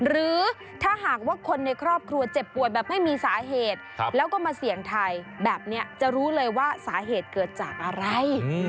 หรือถ้าหากว่าคนในครอบครัวเจ็บป่วยแบบไม่มีสาเหตุแล้วก็มาเสี่ยงทายแบบนี้จะรู้เลยว่าสาเหตุเกิดจากอะไร